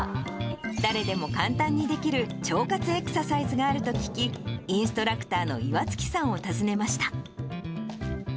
誰でも簡単にできる腸活エクササイズがあると聞き、インストラクターの岩月さんを訪ねました。